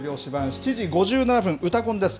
７時５７分、うたコンです。